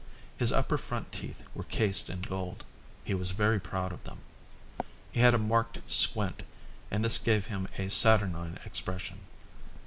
His upper front teeth were cased in gold. He was very proud of them. He had a marked squint and this gave him a saturnine expression.